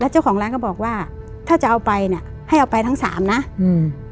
เจ้าของร้านก็บอกว่าถ้าจะเอาไปเนี้ยให้เอาไปทั้งสามนะอืม